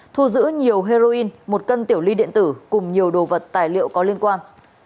thu giữ nhiều heroin một cân tiểu ly điện tử cùng nhiều đồ vật tài liệu có liên quan